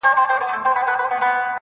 ته دي ټپه په اله زار پيل کړه.